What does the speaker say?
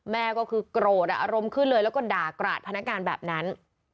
แม่ก็คือโกรธอารมณ์ขึ้นเลยแล้วก็ด่ากราดพนักงานแบบนั้น